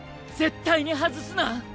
絶対に外すな！